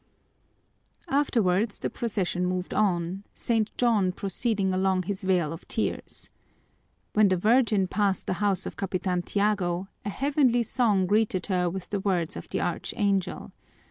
Afterwards, the procession moved on, St. John proceeding along his vale of tears. When the Virgin passed the house of Capitan Tiago a heavenly song greeted her with the words of the archangel.